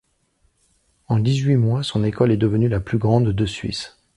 En dix-huit mois son école est devenue la plus grande de Suisse.